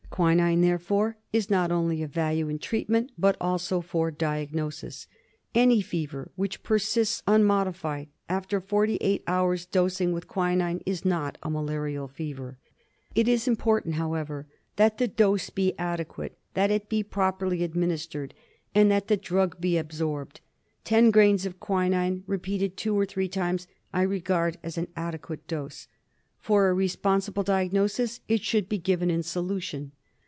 Quinine, therefore, is not only of value in treatment, but also for diagnosis. Any fever which persists unmodified after forty eight hours*^ dosing with quinine, is not a malarial fever. It is important, however, that the dose be adequate, that it be properly administered, and that the drug be absorbed. Ten grains of quinine, repeated two or three times, I regard as an adequate dose. For a responsible diagnosis it should be given in solution.